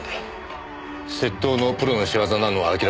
窃盗のプロの仕業なのは明らかでした。